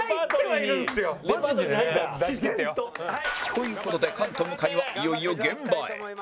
という事で菅と向井はいよいよ現場へ